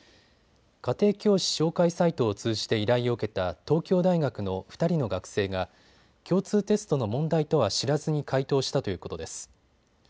家庭教師紹介サイトを通じて依頼を受けた東京大学の２人の学生が共通テストの問題とは知らずに解答したということです。